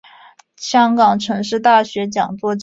香港城市大学讲座教授。